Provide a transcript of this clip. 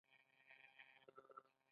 ورلسټ له هدایتونو سره سم کار ونه کړ.